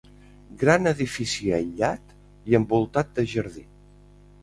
Gran edifici aïllat i envoltat de jardí.